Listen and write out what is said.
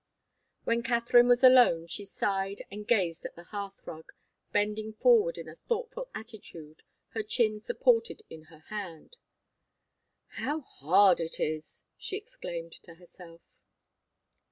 When Katharine was alone, she sighed and gazed at the hearth rug, bending forward in a thoughtful attitude, her chin supported in her hand. "How hard it is!" she exclaimed to herself.